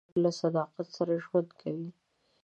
هلک له صداقت سره ژوند کوي.